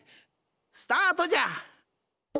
スタートじゃ！